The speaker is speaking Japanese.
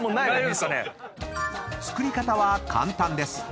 ［作り方は簡単です］